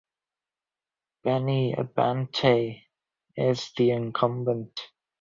Benny Abante is the incumbent.